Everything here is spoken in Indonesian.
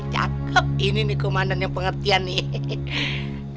cakep ini nih komandan yang pengertian nih